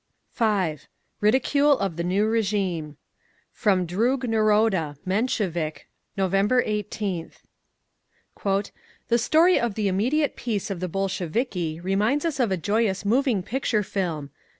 5. RIDICULE OF THE NEW RÉGIME From Drug Naroda (Menshevik), November 18th: "The story of the 'immediate peace' of the Bolsheviki reminds us of a joyous moving picture film….